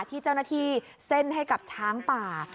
ที่เจ้าหน้าที่เส้นให้กับช้างป่า